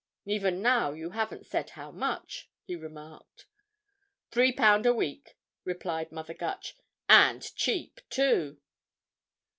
"Even now you haven't said how much," he remarked. "Three pound a week," replied Mother Gutch. "And cheap, too!"